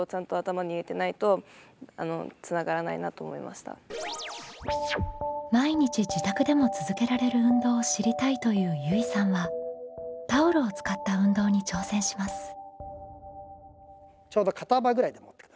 例えば「毎日自宅でも続けられる運動を知りたい」というゆいさんはタオルを使った運動に挑戦します。